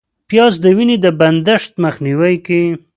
پیاز د وینې د بندښت مخنیوی کوي